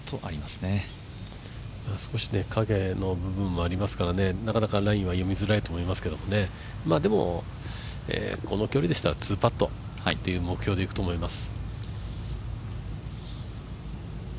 少し影の部分もありますからなかなかラインは読みづらいと思いますけどね、でもこの距離でした２パットという目標でいくと思います。